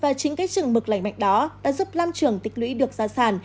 và chính cái trừng mực lành mạnh đó đã giúp lam trường tích lũy được gia sản